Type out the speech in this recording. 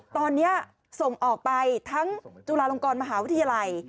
ตอนนี้ส่งออกไปทั้งจุฬาลงกรมหาวิทยาลัย